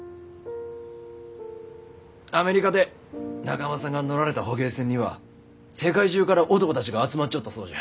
アメリカで中濱さんが乗られた捕鯨船には世界中から男たちが集まっちょったそうじゃ。